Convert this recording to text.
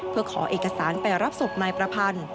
เพื่อขอเอกสารไปรับศพนายประพันธ์